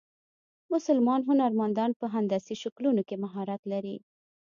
مسلمان هنرمندان په هندسي شکلونو کې مهارت لري.